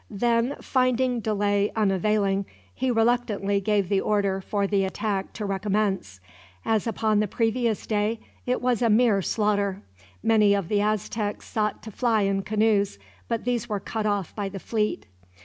Then, finding delay unavailing, he reluctantly gave the order for the attack to recommence. As upon the previous day it was a mere slaughter. Many of the Aztecs sought to fly in canoes, but these were cut off by the fleet.